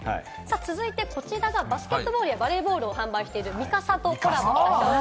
続いてこちらがバスケットボールやバレーボールなどを販売してるＭＩＫＡＳＡとコラボした。